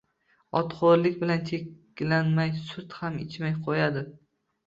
Oʻtxoʻrlik bilan cheklanmay, sut ham ichmay qoʻyadi